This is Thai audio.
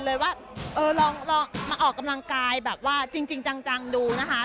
เลยว่าเออลองมาออกกำลังกายแบบว่าจริงจังดูนะคะ